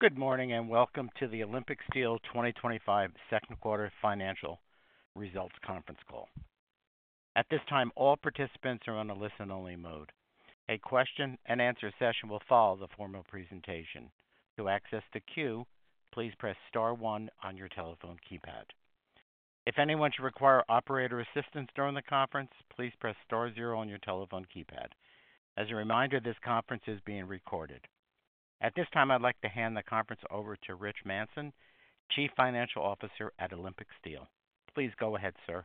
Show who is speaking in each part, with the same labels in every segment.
Speaker 1: Good morning and welcome to the Olympic Steel 2025 second quarter financial results conference call. At this time, all participants are on a listen-only mode. A question and answer session will follow the formal presentation. To access the queue, please press star one on your telephone keypad. If anyone should require operator assistance during the conference, please press star zero on your telephone keypad. As a reminder, this conference is being recorded. At this time, I'd like to hand the conference over to Rich Manson, Chief Financial Officer at Olympic Steel. Please go ahead, sir.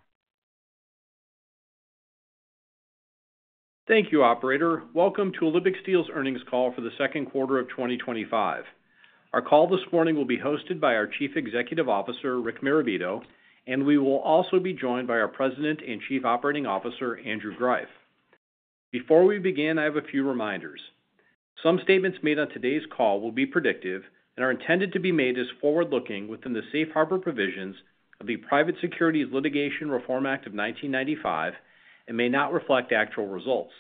Speaker 2: Thank you, Operator. Welcome to Olympic Steel's earnings call for the second quarter of 2025. Our call this morning will be hosted by our Chief Executive Officer, Rick Marabito, and we will also be joined by our President and Chief Operating Officer, Andrew Greiff. Before we begin, I have a few reminders. Some statements made on today's call will be predictive and are intended to be made as forward-looking within the safe harbor provisions of the Private Securities Litigation Reform Act of 1995 and may not reflect actual results.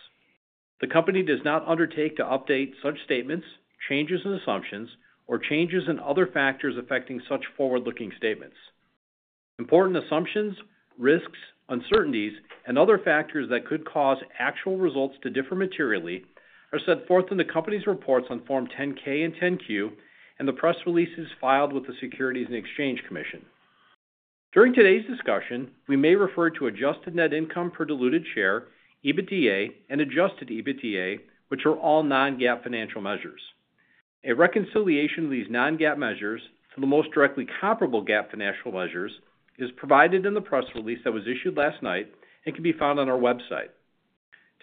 Speaker 2: The company does not undertake to update such statements, changes in assumptions, or changes in other factors affecting such forward-looking statements. Important assumptions, risks, uncertainties, and other factors that could cause actual results to differ materially are set forth in the company's reports on Form 10-K and 10-Q and the press releases filed with the Securities and Exchange Commission. During today's discussion, we may refer to adjusted net income per diluted share, EBITDA, and adjusted EBITDA, which are all non-GAAP financial measures. A reconciliation of these non-GAAP measures to the most directly comparable GAAP financial measures is provided in the press release that was issued last night and can be found on our website.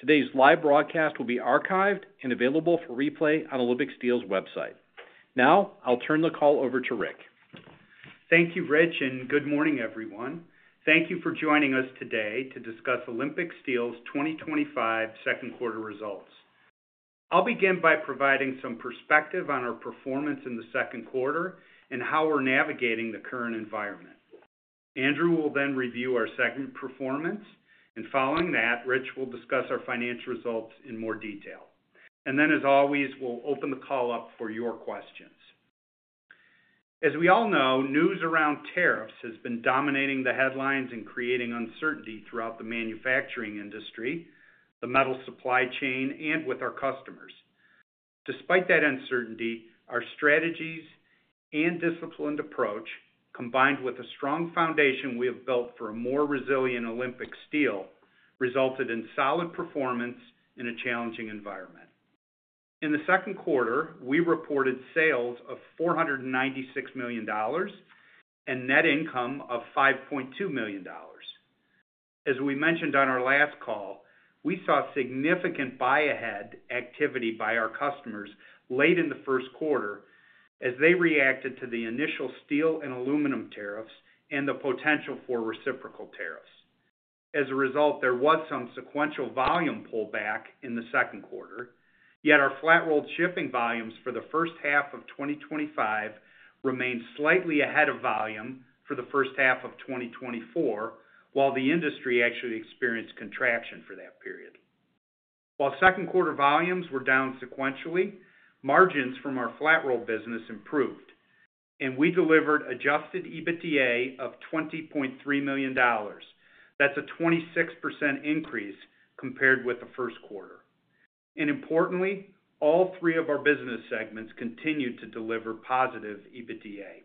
Speaker 2: Today's live broadcast will be archived and available for replay on Olympic Steel's website. Now, I'll turn the call over to Rick.
Speaker 3: Thank you, Rich, and good morning, everyone. Thank you for joining us today to discuss Olympic Steel's 2025 second quarter results. I'll begin by providing some perspective on our performance in the second quarter and how we're navigating the current environment. Andrew will then review our second quarter performance, and following that, Rich will discuss our financial results in more detail. As always, we'll open the call up for your questions. As we all know, news around tariffs has been dominating the headlines and creating uncertainty throughout the manufacturing industry, the metal supply chain, and with our customers. Despite that uncertainty, our strategies and disciplined approach, combined with a strong foundation we have built for a more resilient Olympic Steel, resulted in solid performance in a challenging environment. In the second quarter, we reported sales of $496 million and net income of $5.2 million. As we mentioned on our last call, we saw significant buy-ahead activity by our customers late in the first quarter as they reacted to the initial steel and aluminum tariffs and the potential for reciprocal tariffs. As a result, there was some sequential volume pullback in the second quarter, yet our flat-roll shipping volumes for the first half of 2025 remained slightly ahead of volume for the first half of 2024, while the industry actually experienced contraction for that period. While second quarter volumes were down sequentially, margins from our flat-roll business improved, and we delivered adjusted EBITDA of $20.3 million. That's a 26% increase compared with the first quarter. Importantly, all three of our business segments continued to deliver positive EBITDA.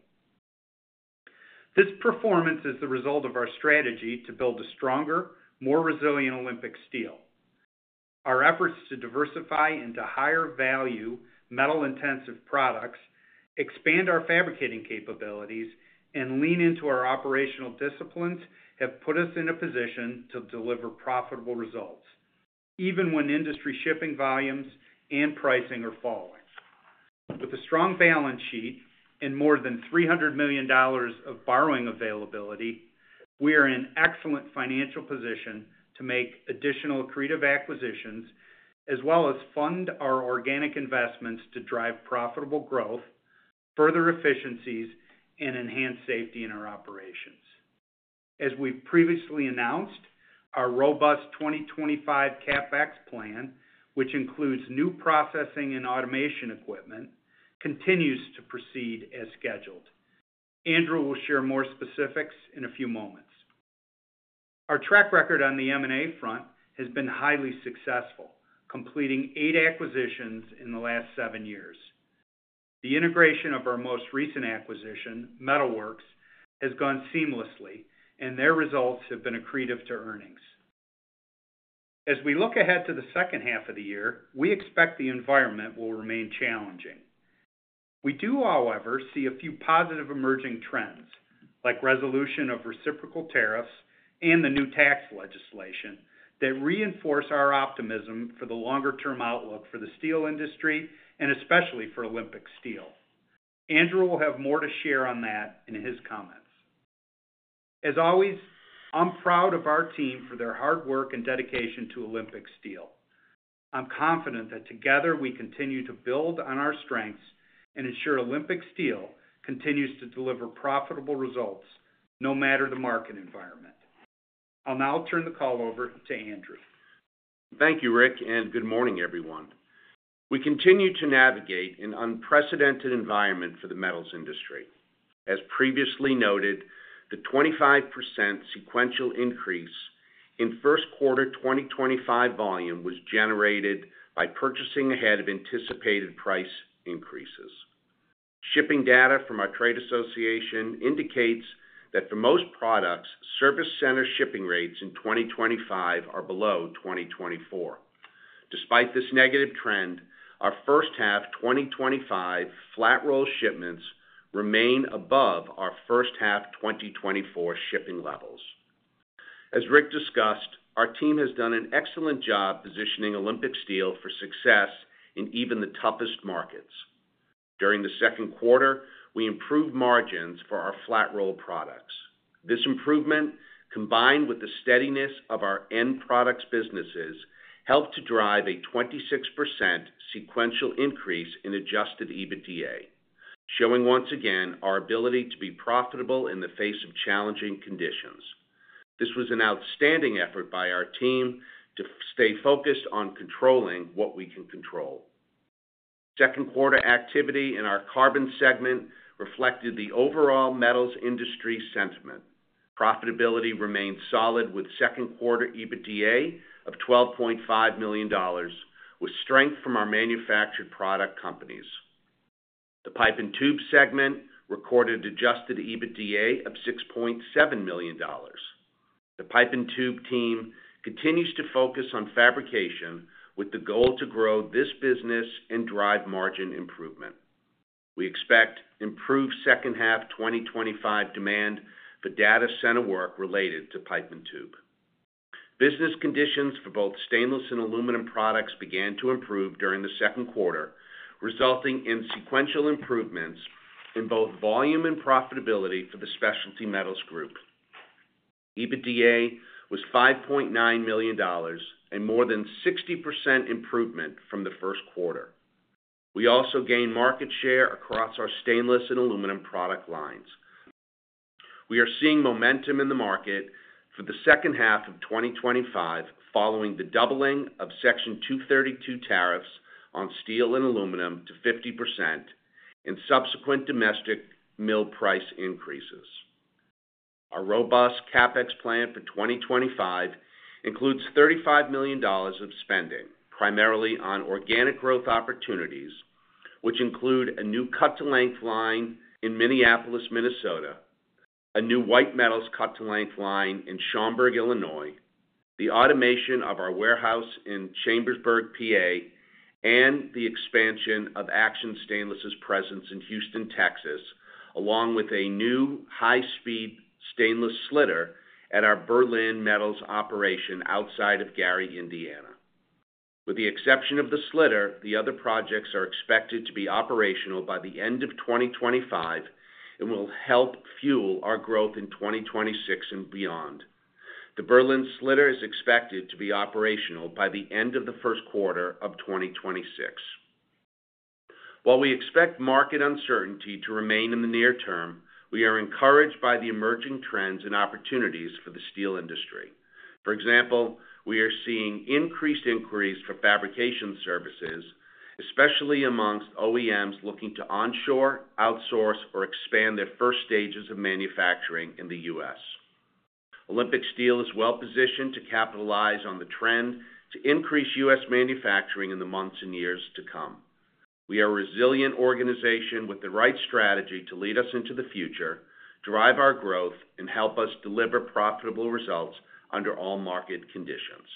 Speaker 3: This performance is the result of our strategy to build a stronger, more resilient Olympic Steel. Our efforts to diversify into higher value metal-intensive products, expand our fabricating capabilities, and lean into our operational disciplines have put us in a position to deliver profitable results, even when industry shipping volumes and pricing are falling. With a strong balance sheet and more than $300 million of borrowing availability, we are in an excellent financial position to make additional accretive acquisitions, as well as fund our organic investments to drive profitable growth, further efficiencies, and enhance safety in our operations. As we previously announced, our robust 2025 CapEx plan, which includes new processing and automation equipment, continues to proceed as scheduled. Andrew will share more specifics in a few moments. Our track record on the M&A front has been highly successful, completing eight acquisitions in the last seven years. The integration of our most recent acquisition, MetalWorks, has gone seamlessly, and their results have been accretive to earnings. As we look ahead to the second half of the year, we expect the environment will remain challenging. We do, however, see a few positive emerging trends, like resolution of reciprocal tariffs and the new tax legislation that reinforce our optimism for the longer-term outlook for the steel industry and especially for Olympic Steel. Andrew will have more to share on that in his comments. As always, I'm proud of our team for their hard work and dedication to Olympic Steel. I'm confident that together we continue to build on our strengths and ensure Olympic Steel continues to deliver profitable results no matter the market environment. I'll now turn the call over to Andrew.
Speaker 4: Thank you, Rick, and good morning, everyone. We continue to navigate an unprecedented environment for the metals industry. As previously noted, the 25% sequential increase in first quarter 2025 volume was generated by purchasing ahead of anticipated price increases. Shipping data from our trade association indicates that for most products, service center shipping rates in 2025 are below 2024. Despite this negative trend, our first half 2025 flat-roll shipments remain above our first half 2024 shipping levels. As Rick discussed, our team has done an excellent job positioning Olympic Steel for success in even the toughest markets. During the second quarter, we improved margins for our flat-roll products. This improvement, combined with the steadiness of our end products businesses, helped to drive a 26% sequential increase in adjusted EBITDA, showing once again our ability to be profitable in the face of challenging conditions. This was an outstanding effort by our team to stay focused on controlling what we can control. Second quarter activity in our carbon segment reflected the overall metals industry sentiment. Profitability remained solid with second quarter EBITDA of $12.5 million, with strength from our manufactured product companies. The pipe and tube segment recorded adjusted EBITDA of $6.7 million. The pipe and tube team continues to focus on fabrication with the goal to grow this business and drive margin improvement. We expect improved second half 2025 demand for data center work related to pipe and tube. Business conditions for both stainless and aluminum products began to improve during the second quarter, resulting in sequential improvements in both volume and profitability for the specialty metals group. EBITDA was $5.9 million and more than 60% improvement from the first quarter. We also gained market share across our stainless and aluminum product lines. We are seeing momentum in the market for the second half of 2025 following the doubling of Section 232 tariffs on steel and aluminum to 50% and subsequent domestic mill price increases. Our robust CapEx plan for 2025 includes $35 million of spending, primarily on organic growth opportunities, which include a new cut-to-length line in Minneapolis, Minnesota, a new white metals cut-to-length line in Schaumburg, Illinois, the automation of our warehouse in Chambersburg, PA, and the expansion of Action Stainless's presence in Houston, Texas, along with a new high-speed stainless slitter at our Berlin Metals operation outside of Gary, Indiana. With the exception of the slitter, the other projects are expected to be operational by the end of 2025 and will help fuel our growth in 2026 and beyond. The Berlin slitter is expected to be operational by the end of the first quarter of 2026. While we expect market uncertainty to remain in the near term, we are encouraged by the emerging trends and opportunities for the steel industry. For example, we are seeing increased inquiries for fabrication services, especially amongst OEMs looking to onshore, outsource, or expand their first stages of manufacturing in the U.S. Olympic Steel is well-positioned to capitalize on the trend to increase U.S. manufacturing in the months and years to come. We are a resilient organization with the right strategy to lead us into the future, drive our growth, and help us deliver profitable results under all market conditions.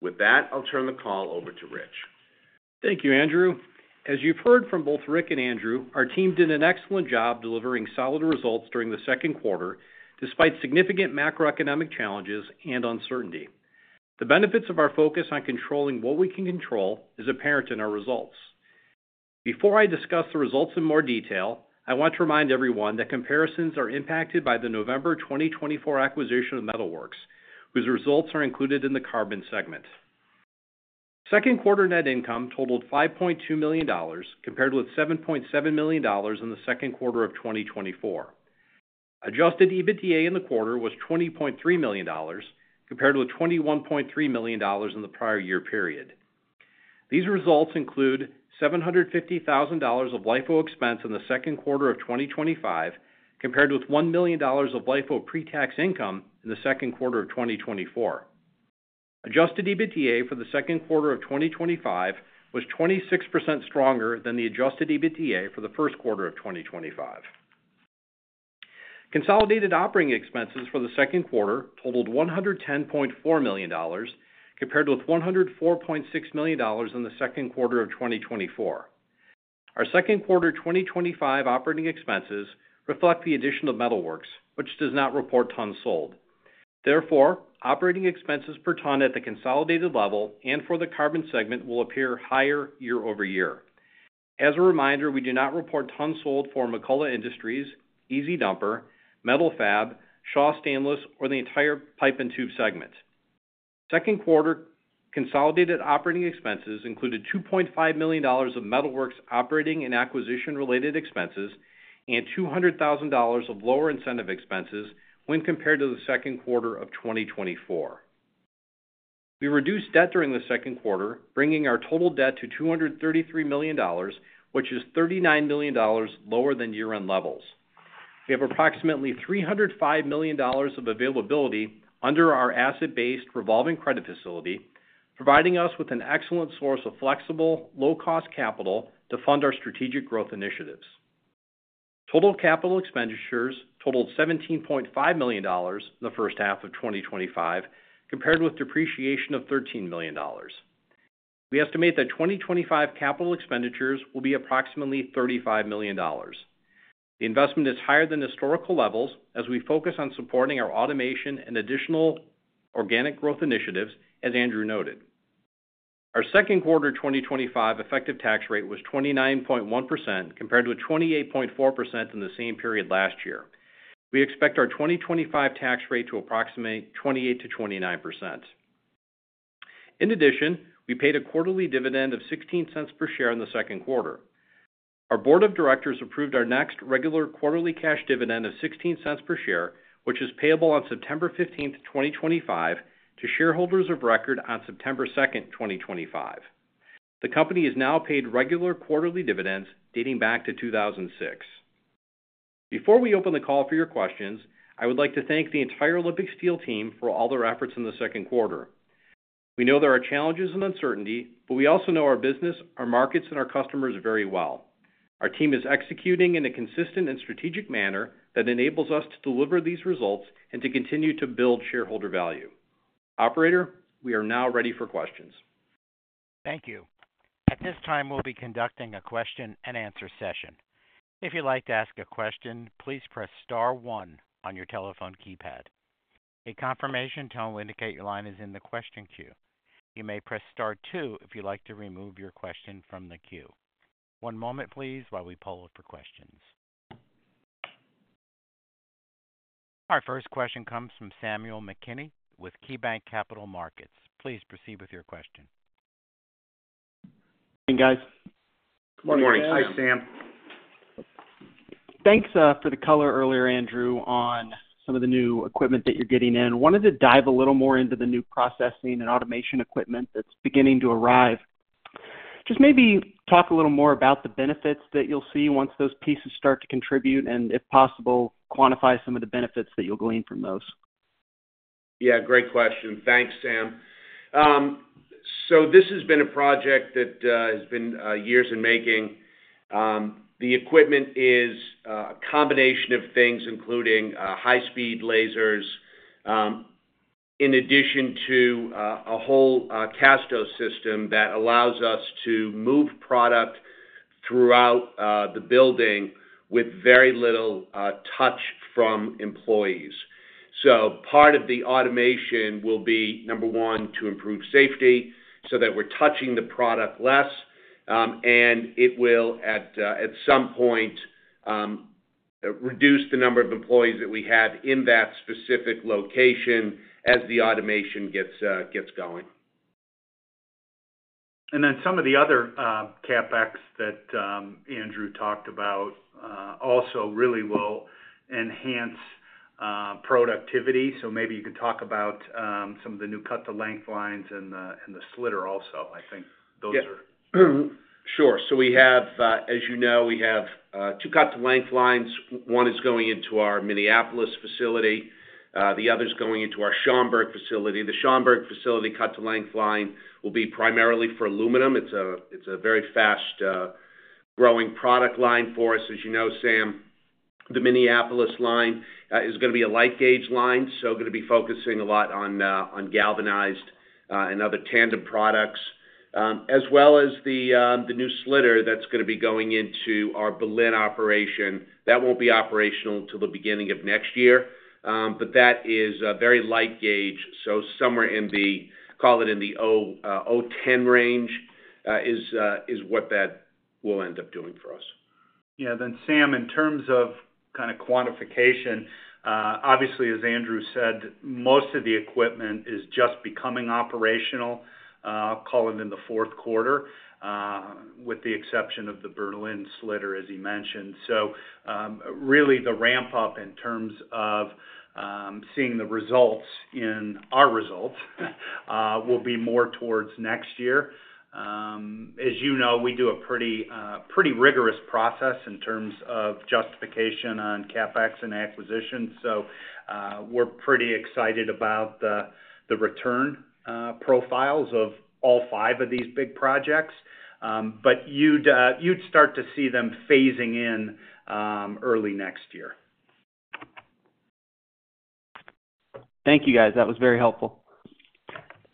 Speaker 4: With that, I'll turn the call over to Rich.
Speaker 2: Thank you, Andrew. As you've heard from both Rick and Andrew, our team did an excellent job delivering solid results during the second quarter, despite significant macroeconomic challenges and uncertainty. The benefits of our focus on controlling what we can control are apparent in our results. Before I discuss the results in more detail, I want to remind everyone that comparisons are impacted by the November 2024 acquisition of MetalWorks, whose results are included in the carbon segment. Second quarter net income totaled $5.2 million compared with $7.7 million in the second quarter of 2024. Adjusted EBITDA in the quarter was $20.3 million compared with $21.3 million in the prior year period. These results include $750,000 of LIFO expense in the second quarter of 2025 compared with $1 million of LIFO pre-tax income in the second quarter of 2024. Adjusted EBITDA for the second quarter of 2025 was 26% stronger than the adjusted EBITDA for the first quarter of 2025. Consolidated operating expenses for the second quarter totaled $110.4 million compared with $104.6 million in the second quarter of 2024. Our second quarter 2025 operating expenses reflect the addition of MetalWorks, which does not report tons sold. Therefore, operating expenses per ton at the consolidated level and for the carbon segment will appear higher year-over-year. As a reminder, we do not report tons sold for McCullough Industries, EZ-Dumper, Metal-Fab, Shaw Stainless, or the entire pipe and tube segment. Second quarter consolidated operating expenses included $2.5 million of MetalWorks operating and acquisition-related expenses and $200,000 of lower incentive expenses when compared to the second quarter of 2024. We reduced debt during the second quarter, bringing our total debt to $233 million, which is $39 million lower than year-end levels. We have approximately $305 million of availability under our asset-based revolving credit facility, providing us with an excellent source of flexible, low-cost capital to fund our strategic growth initiatives. Total capital expenditures totaled $17.5 million in the first half of 2025, compared with depreciation of $13 million. We estimate that 2025 capital expenditures will be approximately $35 million. The investment is higher than historical levels as we focus on supporting our automation and additional organic growth initiatives, as Andrew noted. Our second quarter 2025 effective tax rate was 29.1% compared with 28.4% in the same period last year. We expect our 2025 tax rate to approximate 28%-29%. In addition, we paid a quarterly dividend of $0.16 per share in the second quarter. Our board of directors approved our next regular quarterly cash dividend of $0.16 per share, which is payable on September 15, 2025, to shareholders of record on September 2, 2025. The company has now paid regular quarterly dividends dating back to 2006. Before we open the call for your questions, I would like to thank the entire Olympic Steel team for all their efforts in the second quarter. We know there are challenges and uncertainty, but we also know our business, our markets, and our customers very well. Our team is executing in a consistent and strategic manner that enables us to deliver these results and to continue to build shareholder value. Operator, we are now ready for questions.
Speaker 1: Thank you. At this time, we'll be conducting a question and answer session. If you'd like to ask a question, please press star one on your telephone keypad. A confirmation tone will indicate your line is in the question queue. You may press star two if you'd like to remove your question from the queue. One moment, please, while we poll for questions. Our first question comes from Samuel McKinney with KeyBanc Capital Markets. Please proceed with your question.
Speaker 5: Morning, guys.
Speaker 3: Morning.
Speaker 4: Hi, Sam.
Speaker 5: Thanks for the color earlier, Andrew, on some of the new equipment that you're getting in. Wanted to dive a little more into the new processing and automation equipment that's beginning to arrive. Just maybe talk a little more about the benefits that you'll see once those pieces start to contribute, and, if possible, quantify some of the benefits that you'll glean from those.
Speaker 4: Yeah, great question. Thanks, Sam. This has been a project that has been years in the making. The equipment is a combination of things, including high-speed lasers, in addition to a whole CASTO system that allows us to move product throughout the building with very little touch from employees. Part of the automation will be, number one, to improve safety so that we're touching the product less. It will, at some point, reduce the number of employees that we have in that specific location as the automation gets going.
Speaker 3: Some of the other CapEx that Andrew talked about also really will enhance productivity. Maybe you could talk about some of the new cut-to-length lines and the slitter also. I think those are.
Speaker 4: Yeah, sure. We have, as you know, we have two cut-to-length lines. One is going into our Minneapolis facility. The other is going into our Schaumburg facility. The Schaumburg facility cut-to-length line will be primarily for aluminum. It's a very fast-growing product line for us, as you know, Sam. The Minneapolis line is going to be a light gauge line, going to be focusing a lot on galvanized and other tandem products, as well as the new slitter that's going to be going into our Berlin Metals operation. That won't be operational until the beginning of next year, but that is a very light gauge. Somewhere in the, call it in the 0.010 range, is what that will end up doing for us.
Speaker 3: Yeah, Sam, in terms of kind of quantification, obviously, as Andrew said, most of the equipment is just becoming operational, I'll call it in the fourth quarter, with the exception of the Berlin Metals slitter, as he mentioned. Really, the ramp-up in terms of seeing the results in our results will be more towards next year. As you know, we do a pretty rigorous process in terms of justification on CapEx and acquisitions. We're pretty excited about the return profiles of all five of these big projects. You'd start to see them phasing in early next year.
Speaker 5: Thank you, guys. That was very helpful.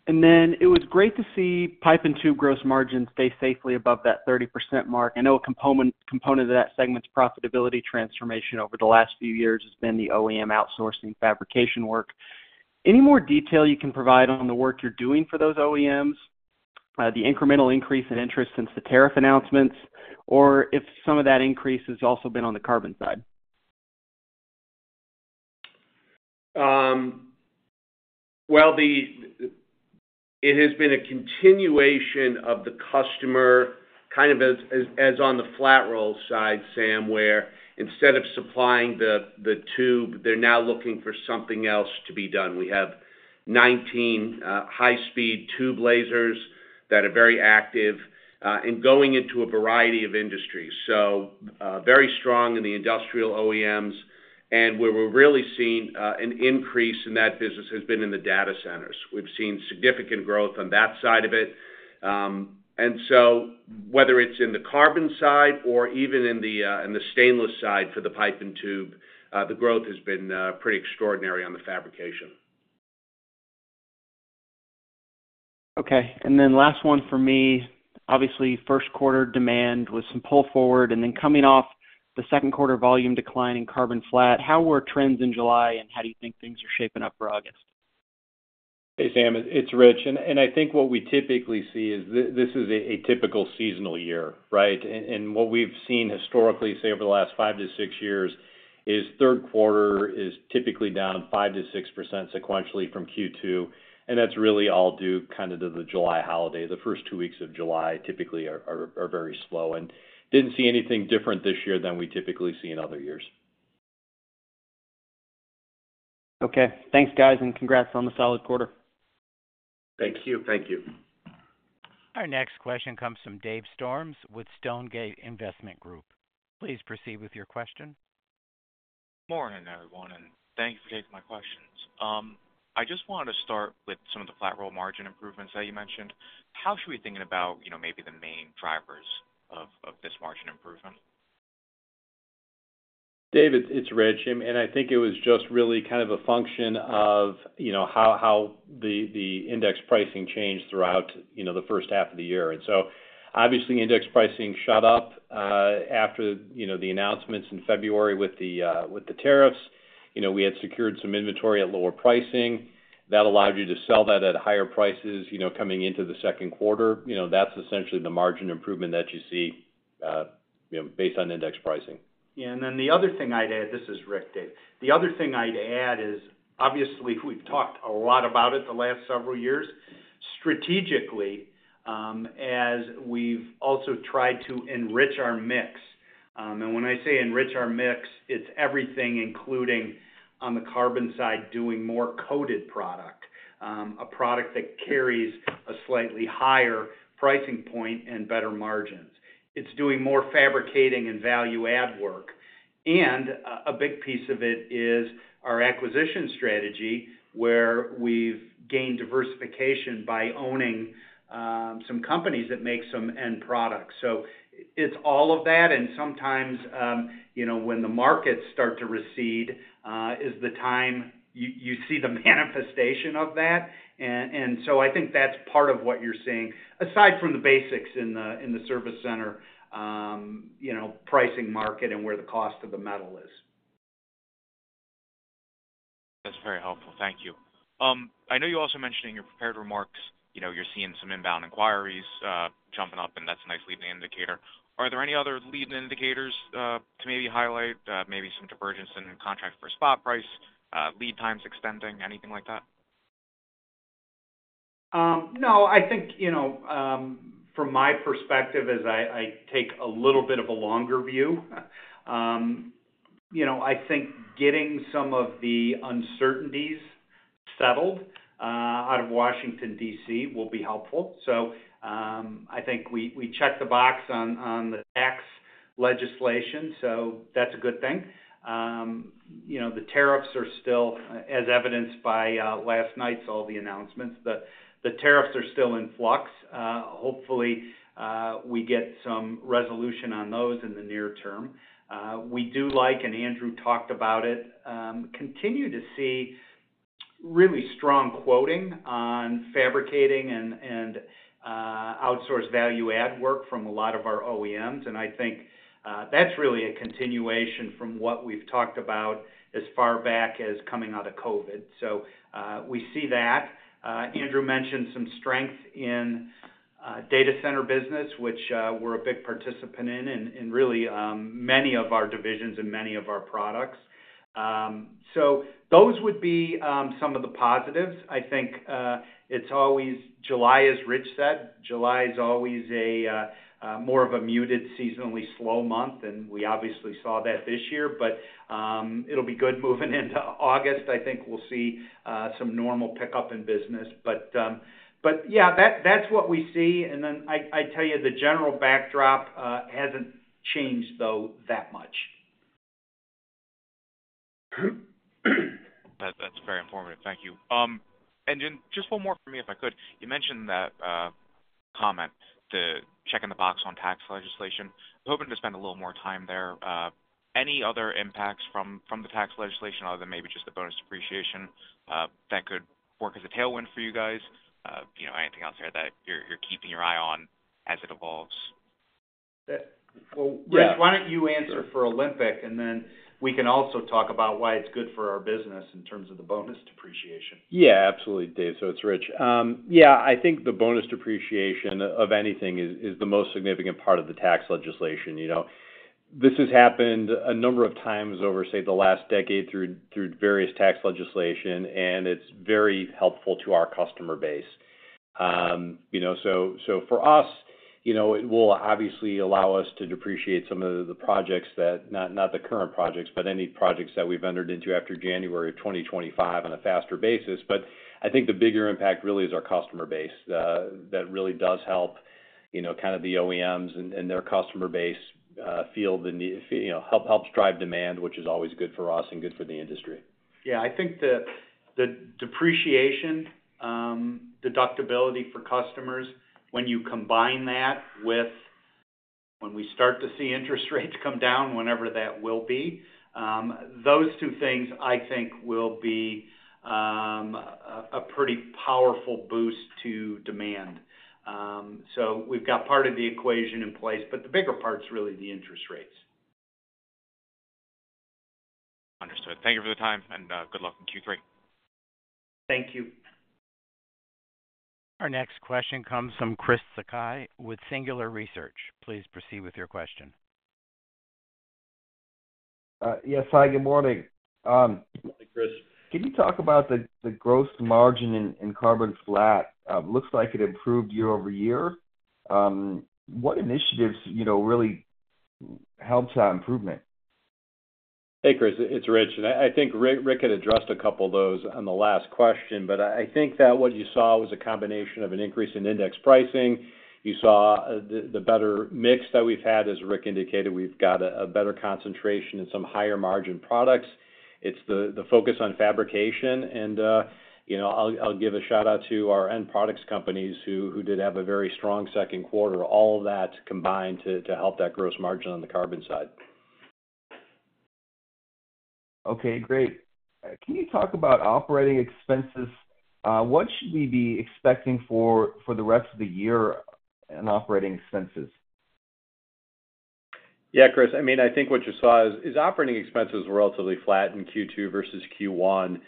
Speaker 5: It was great to see pipe and tube gross margins stay safely above that 30% mark. I know a component of that segment's profitability transformation over the last few years has been the OEM outsourcing fabrication work. Any more detail you can provide on the work you're doing for those OEMs? The incremental increase in interest since the tariff announcements, or if some of that increase has also been on the carbon side.
Speaker 4: It has been a continuation of the customer kind of as on the flat-roll side, Sam, where instead of supplying the tube, they're now looking for something else to be done. We have 19 high-speed tube lasers that are very active and going into a variety of industries. Very strong in the industrial OEMs. Where we're really seeing an increase in that business has been in the data centers. We've seen significant growth on that side of it. Whether it's in the carbon side or even in the stainless side for the pipe and tube, the growth has been pretty extraordinary on the fabrication.
Speaker 5: Okay. Last one for me. Obviously, first quarter demand with some pull forward, and then coming off the second quarter volume decline in carbon flat. How were trends in July, and how do you think things are shaping up for August?
Speaker 2: Hey, Sam. It's Rich. I think what we typically see is this is a typical seasonal year, right? What we've seen historically, say, over the last five to six years, is third quarter is typically down 5%-6% sequentially from Q2. That's really all due kind of to the July holiday. The first two weeks of July typically are very slow. Didn't see anything different this year than we typically see in other years.
Speaker 5: Okay, thanks, guys, and congrats on the solid quarter.
Speaker 4: Thank you.
Speaker 1: Our next question comes from David Storms with Stonegate Investment Group. Please proceed with your question.
Speaker 6: Morning, everyone, and thanks for taking my questions. I just wanted to start with some of the flat-roll margin improvements that you mentioned. How should we be thinking about, you know, maybe the main drivers of this margin improvement?
Speaker 2: David, it's Rich. I think it was just really kind of a function of how the index pricing changed throughout the first half of the year. Obviously, index pricing shot up after the announcements in February with the tariffs. We had secured some inventory at lower pricing. That allowed you to sell that at higher prices coming into the second quarter. That's essentially the margin improvement that you see based on index pricing.
Speaker 3: Yeah. The other thing I'd add, this is Rick, Dave. The other thing I'd add is, obviously, we've talked a lot about it the last several years. Strategically, as we've also tried to enrich our mix. When I say enrich our mix, it's everything, including on the carbon side, doing more coated product, a product that carries a slightly higher pricing point and better margins. It's doing more fabricating and value-add work. A big piece of it is our acquisition strategy, where we've gained diversification by owning some companies that make some end products. It's all of that. Sometimes, you know, when the markets start to recede, is the time you see the manifestation of that. I think that's part of what you're seeing, aside from the basics in the service center, you know, pricing market and where the cost of the metal is.
Speaker 6: That's very helpful. Thank you. I know you also mentioned in your prepared remarks, you're seeing some inbound inquiries jumping up, and that's a nice leading indicator. Are there any other leading indicators to maybe highlight, maybe some divergence in contract per spot price, lead times extending, anything like that?
Speaker 3: No. I think, from my perspective, as I take a little bit of a longer view, I think getting some of the uncertainties settled out of Washington, D.C., will be helpful. I think we checked the box on the X legislation, so that's a good thing. The tariffs are still, as evidenced by last night's announcements, the tariffs are still in flux. Hopefully, we get some resolution on those in the near term. We do like, and Andrew talked about it, continue to see really strong quoting on fabricating and outsourced value-add work from a lot of our OEMs. I think that's really a continuation from what we've talked about as far back as coming out of COVID. We see that. Andrew mentioned some strengths in data center business, which we're a big participant in, in many of our divisions and many of our products. Those would be some of the positives. I think it's always, July as Rich said, July is always more of a muted, seasonally slow month, and we obviously saw that this year, but it'll be good moving into August. I think we'll see some normal pickup in business. That's what we see. The general backdrop hasn't changed that much.
Speaker 6: That's very informative. Thank you. Just one more for me, if I could. You mentioned that comment, the checking the box on tax legislation. I'm hoping to spend a little more time there. Any other impacts from the tax legislation other than maybe just the bonus depreciation that could work as a tailwind for you guys? Anything else there that you're keeping your eye on as it evolves?
Speaker 3: Rich, why don't you answer for Olympic, and then we can also talk about why it's good for our business in terms of the bonus depreciation.
Speaker 2: Yeah, absolutely, Dave. It's Rich. I think the bonus depreciation of anything is the most significant part of the tax legislation. This has happened a number of times over, say, the last decade through various tax legislation, and it's very helpful to our customer base. For us, it will obviously allow us to depreciate some of the projects that, not the current projects, but any projects that we've entered into after January of 2025 on a faster basis. I think the bigger impact really is our customer base. That really does help the OEMs and their customer base feel the need, helps drive demand, which is always good for us and good for the industry.
Speaker 3: I think the depreciation, deductibility for customers, when you combine that with when we start to see interest rates come down, whenever that will be, those two things I think will be a pretty powerful boost to demand. We've got part of the equation in place, but the bigger part's really the interest rates.
Speaker 6: Understood. Thank you for the time, and good luck in Q3.
Speaker 3: Thank you.
Speaker 1: Our next question comes from Chris Sakai with Singular Research. Please proceed with your question.
Speaker 7: Yes, hi. Good morning.
Speaker 3: Good morning, Chris.
Speaker 7: Can you talk about the gross margin in carbon flat? It looks like it improved year-over-year. What initiatives really helped that improvement?
Speaker 2: Hey, Chris. It's Rich. I think Rick had addressed a couple of those on the last question, but I think that what you saw was a combination of an increase in index pricing. You saw the better mix that we've had. As Rick indicated, we've got a better concentration in some higher margin products. It's the focus on fabrication. I'll give a shout out to our end products companies who did have a very strong second quarter. All of that combined to help that gross margin on the carbon side.
Speaker 7: Okay, great. Can you talk about operating expenses? What should we be expecting for the rest of the year in operating expenses?
Speaker 2: Yeah, Chris. I mean, I think what you saw is operating expenses were relatively flat in Q2 versus Q1.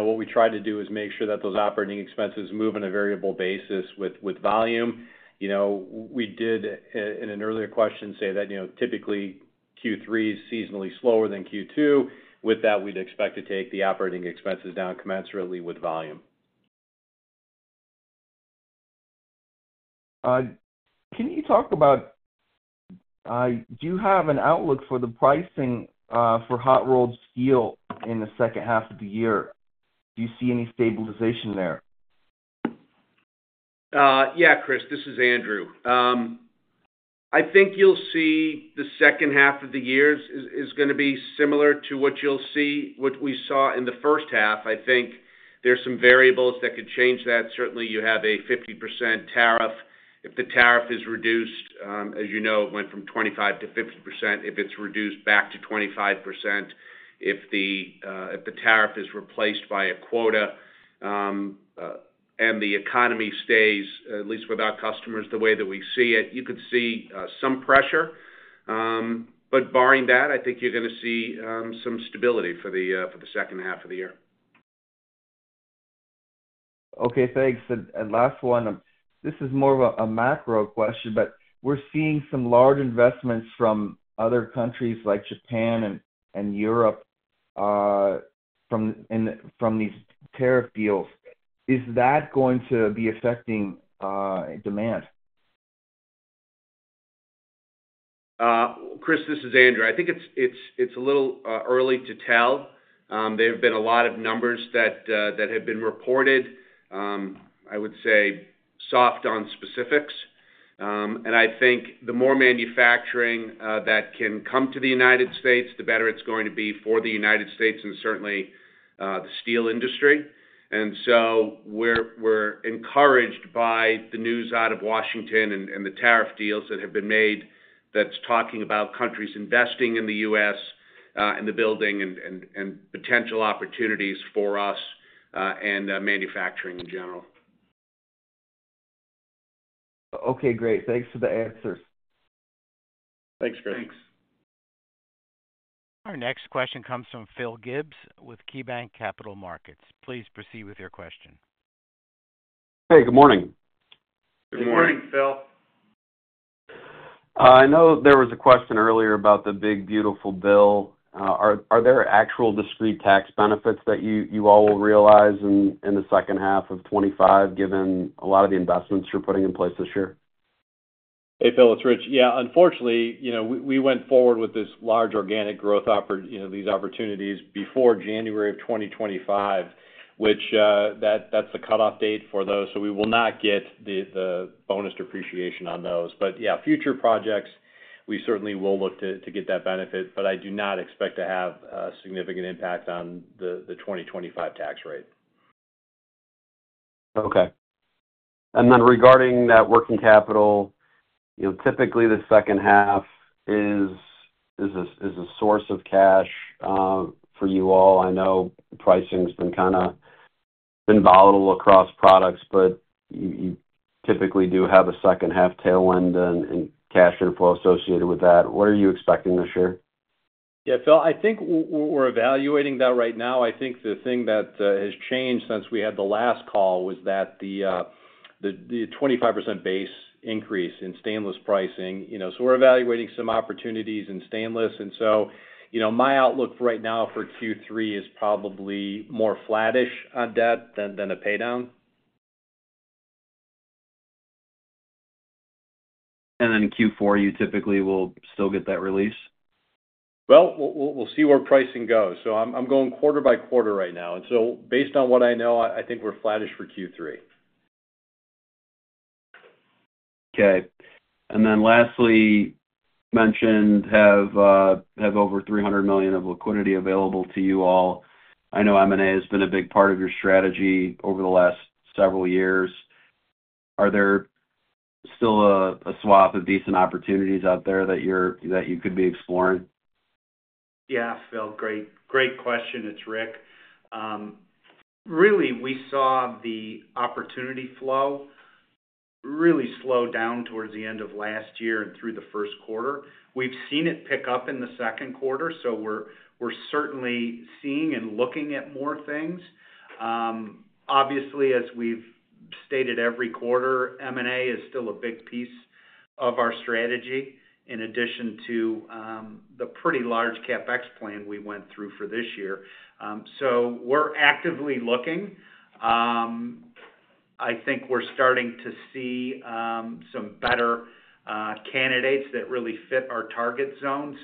Speaker 2: What we tried to do is make sure that those operating expenses move on a variable basis with volume. We did, in an earlier question, say that typically Q3 is seasonally slower than Q2. With that, we'd expect to take the operating expenses down commensurately with volume.
Speaker 7: Can you talk about, do you have an outlook for the pricing for hot-rolled steel in the second half of the year? Do you see any stabilization there?
Speaker 4: Yeah, Chris. This is Andrew. I think you'll see the second half of the year is going to be similar to what you'll see, what we saw in the first half. I think there's some variables that could change that. Certainly, you have a 50% tariff. If the tariff is reduced, as you know, it went from 25% to 50%. If it's reduced back to 25%, if the tariff is replaced by a quota and the economy stays, at least with our customers, the way that we see it, you could see some pressure. Barring that, I think you're going to see some stability for the second half of the year.
Speaker 7: Okay, thanks. Last one, this is more of a macro question, but we're seeing some large investments from other countries like Japan and Europe from these tariff deals. Is that going to be affecting demand?
Speaker 4: Chris, this is Andrew. I think it's a little early to tell. There have been a lot of numbers that have been reported. I would say soft on specifics. I think the more manufacturing that can come to the United States, the better it's going to be for the United States and certainly the steel industry. We're encouraged by the news out of Washington and the tariff deals that have been made that's talking about countries investing in the U.S. and the building and potential opportunities for us and manufacturing in general.
Speaker 7: Okay, great. Thanks for the answers.
Speaker 4: Thanks, Chris.
Speaker 3: Thanks.
Speaker 1: Our next question comes from Phil Gibbs with KeyBanc Capital Markets. Please proceed with your question.
Speaker 8: Hey, good morning.
Speaker 4: Good morning.
Speaker 3: Good morning, Phil.
Speaker 8: I know there was a question earlier about the Big Beautiful Bill. Are there actual discrete tax benefits that you all will realize in the second half of 2025, given a lot of the investments you're putting in place this year?
Speaker 2: Hey, Phil. It's Rich. Yeah, unfortunately, we went forward with this large organic growth, these opportunities before January of 2025, which that's the cutoff date for those. We will not get the bonus depreciation on those. Future projects, we certainly will look to get that benefit, but I do not expect to have a significant impact on the 2025 tax rate.
Speaker 8: Okay. Regarding that working capital, you know, typically the second half is a source of cash for you all. I know pricing's been kind of volatile across products, but you typically do have a second half tailwind and cash inflow associated with that. What are you expecting this year?
Speaker 2: Yeah, Phil. I think we're evaluating that right now. I think the thing that has changed since we had the last call was that the 25% base increase in stainless pricing. We're evaluating some opportunities in stainless. My outlook right now for Q3 is probably more flattish on debt than a paydown.
Speaker 8: In Q4, you typically will still get that release?
Speaker 2: We'll see where pricing goes. I'm going quarter by quarter right now, and based on what I know, I think we're flattish for Q3.
Speaker 8: Okay. Lastly, you mentioned you have over $300 million of liquidity available to you all. I know M&A has been a big part of your strategy over the last several years. Are there still a swath of decent opportunities out there that you could be exploring?
Speaker 3: Yeah, Phil. Great, great question. It's Rick. Really, we saw the opportunity flow really slow down towards the end of last year and through the first quarter. We've seen it pick up in the second quarter. We are certainly seeing and looking at more things. Obviously, as we've stated every quarter, M&A is still a big piece of our strategy, in addition to the pretty large CapEx plan we went through for this year. We are actively looking. I think we're starting to see some better candidates that really fit our target zone.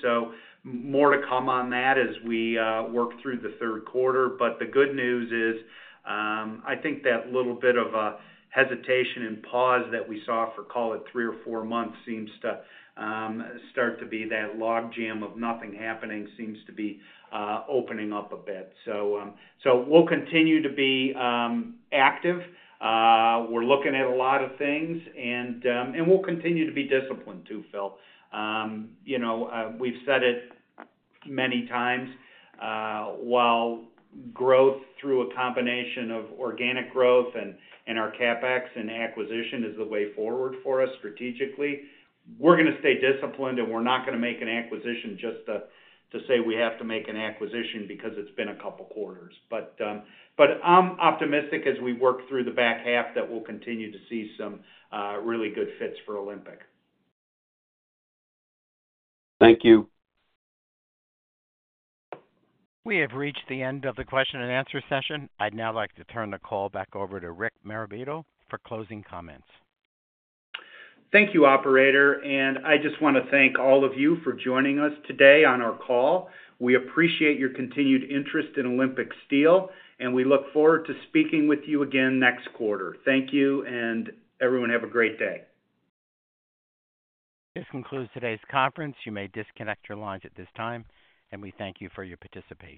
Speaker 3: More to come on that as we work through the third quarter. The good news is I think that little bit of a hesitation and pause that we saw for, call it, three or four months seems to start to be that logjam of nothing happening seems to be opening up a bit. We will continue to be active. We're looking at a lot of things, and we'll continue to be disciplined too, Phil. You know, we've said it many times, while growth through a combination of organic growth and our CapEx and acquisition is the way forward for us strategically, we're going to stay disciplined, and we're not going to make an acquisition just to say we have to make an acquisition because it's been a couple of quarters. I'm optimistic as we work through the back half that we'll continue to see some really good fits for Olympic Steel.
Speaker 8: Thank you.
Speaker 1: We have reached the end of the question and answer session. I'd now like to turn the call back over to Rick Marabito for closing comments.
Speaker 3: Thank you, Operator. I just want to thank all of you for joining us today on our call. We appreciate your continued interest in Olympic Steel, and we look forward to speaking with you again next quarter. Thank you, and everyone have a great day.
Speaker 1: This concludes today's conference. You may disconnect your lines at this time, and we thank you for your participation.